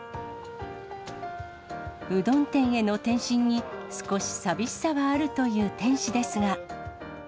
うどん店への転身に、少し寂しさはあるという店主ですが。